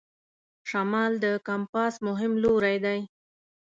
شمال د کمپاس مهم لوری دی.